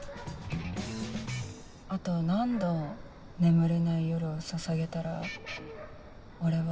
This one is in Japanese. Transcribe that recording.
「あと何度眠れない夜をささげたら俺は」。